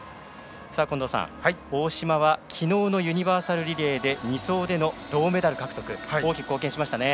近藤さん、大島は昨日のユニバーサルリレーで２走での銅メダル獲得に大きく貢献しましたね。